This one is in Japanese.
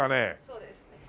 そうですね。